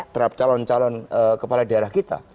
terhadap calon calon kepala daerah kita